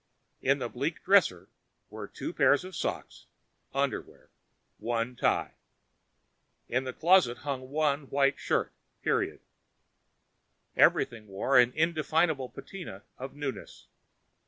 In the bleak dresser were two pair of socks, underwear, one tie. In the closet hung one white shirt ... period. Everything wore an indefinable patina of newness.